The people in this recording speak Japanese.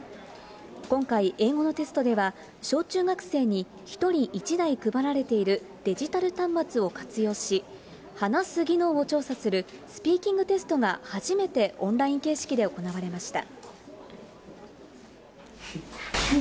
今回、英語のテストでは、小中学生に１人１台配られているデジタル端末を活用し、話す技能を調査するスピーキングテストが初めてオンライン形式で行われました。